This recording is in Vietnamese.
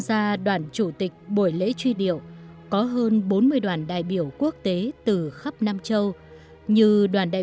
gia đoàn chủ tịch buổi lễ truy điệu có hơn bốn mươi đoàn đại biểu quốc tế từ khắp nam châu như đoàn đại